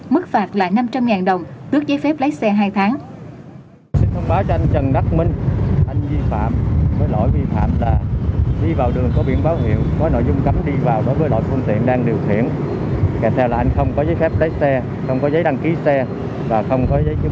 mức phạt là năm trăm linh đồng tước giấy phép lái xe hai tháng